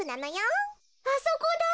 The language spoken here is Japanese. あそこだ！